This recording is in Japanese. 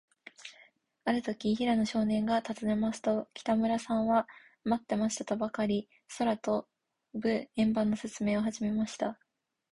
あるとき、平野少年がたずねますと、北村さんは、まってましたとばかり、空とぶ円盤のせつめいをはじめました。